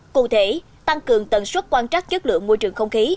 cụ thể tăng cường tần suất quan trắc chất lượng môi trường không khí